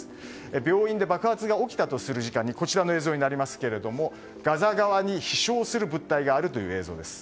病院で爆発が起きたとする時間にこちらの映像ですがガザ側に飛翔する物体がある映像です。